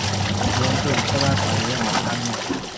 rigenzura icyo bakoreye mu ruhame